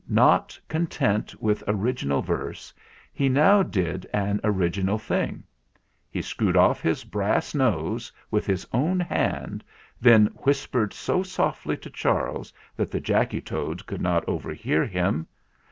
Not content with original verse, he now did an original thing. He screwed off his brass nose 212 THE FLINT HEART with his own hand; then whispered so softly to Charles that the Jacky Toad could not over hear him.